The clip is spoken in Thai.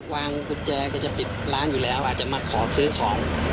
วางกุญแจก็จะปิดร้านอยู่แล้วอาจจะมาขอซื้อของ